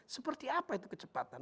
seperti apa itu kecepatan